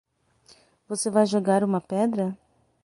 Você vai jogar uma pedra?